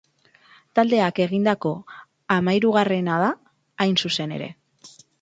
Taldeak egindako hamahirugarrena da, hain zuzen ere.